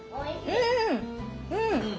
うん。